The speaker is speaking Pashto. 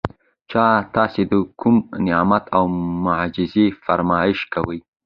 چې تاسي د کوم نعمت او معجزې فرمائش کوئ